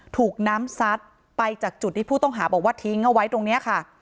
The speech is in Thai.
ถูกน้ำซัดไปจากจุดที่ผู้ต้องหาบอกว่าทิ้งเอาไว้ตรงนี้ค่ะ